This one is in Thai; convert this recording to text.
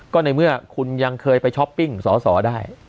ก็ในเมื่อคุณยังเคยไปช้อปปิ้งสอสอได้